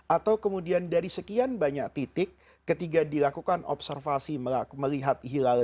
atau kemudian dari sekian banyak titik ketika dilakukan observasi melihat hilal